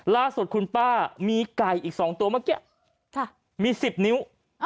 ล่าสุดคุณป้ามีไก่อีก๒ตัวเมื่อกี้มี๑๐นิ้ว